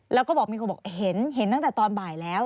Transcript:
แล้วก็บอกมีคนบอกเห็นตั้งแต่ตอนบ่ายแล้ว